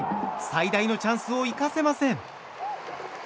最大のチャンスを生かせません。